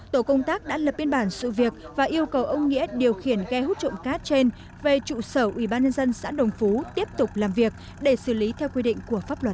tổ công tác đã lập biên bản sự việc và yêu cầu ông nghĩa điều khiển ghe hút trộm cát trên về trụ sở ubnd xã đồng phú tiếp tục làm việc để xử lý theo quy định của pháp luật